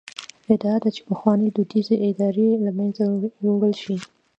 ادعا ده چې پخوانۍ دودیزې ادارې له منځه یووړل شي.